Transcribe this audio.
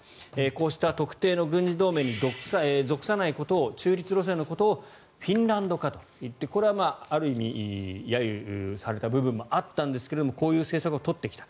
こうした特定の軍事同盟に属さないことを中立路線のことをフィンランド化といってこれはある意味揶揄された部分もあったんですけれどもこういう政策を取ってきた。